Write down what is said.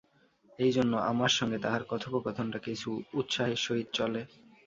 এইজন্য আমার সঙ্গে তাহার কথোপকথনটা কিছু উৎসাহের সহিত চলে।